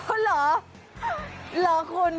โอ้เหรอหรอคุณ